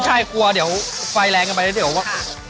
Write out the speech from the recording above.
ใช่กลัวเดี๋ยวไฟแรงกันไปแล้วเดี๋ยวว่า